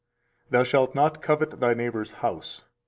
292 Thou shalt not covet thy neighbor's house.